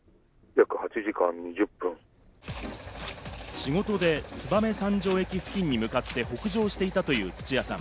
仕事で燕三条駅付近に向かって北上していたという土屋さん。